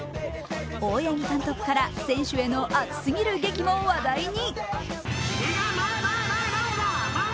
大八木監督から選手への熱すぎるげきも話題に。